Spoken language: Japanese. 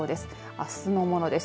あすのものです。